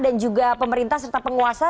dan juga pemerintah serta penguasa